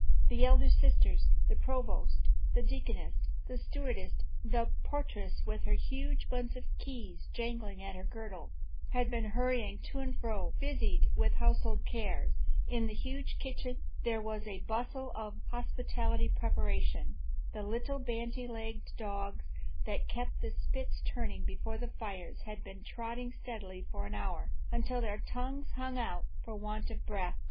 The elder sisters, the provost, the deaconess, the stewardess, the portress with her huge bunch of keys jingling at her girdle, had been hurrying to and fro, busied with household cares. In the huge kitchen there was a bustle of hospitable preparation. The little bandy legged dogs that kept the spits turning before the fires had been trotting steadily for many an hour, until their tongues hung out for want of breath.